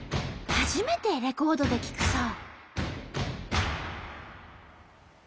初めてレコードで聴くそう。